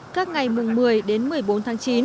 các ngày mùng một mươi đến một mươi bốn tháng chín